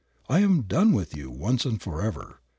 I am done with you once and forever.